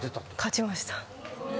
勝ちました。